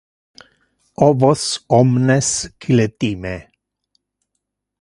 Oh vos omnes qui le time!